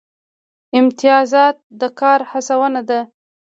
امتیازات د کار هڅونه ده